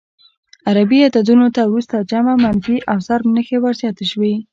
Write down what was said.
عربي عددونو ته وروسته جمع، منفي او ضرب نښې ور زیاتې شوې.